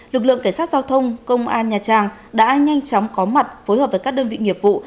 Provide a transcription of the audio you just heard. lực lượng cảnh sát giao thông công an nhà trang đã nhanh chóng có mặt phối hợp với các đơn vị nghiệp vụ